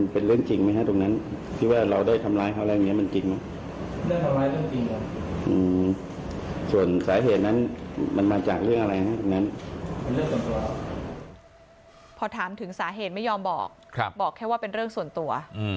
พอถามถึงสาเหตุไม่ยอมบอกบอกแค่ว่าเป็นเรื่องส่วนตัว